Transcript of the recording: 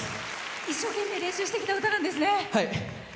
一生懸命練習してきた歌なんですね。